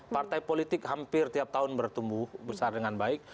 partai politik hampir tiap tahun bertumbuh besar dengan baik